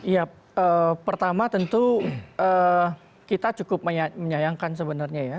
ya pertama tentu kita cukup menyayangkan sebenarnya ya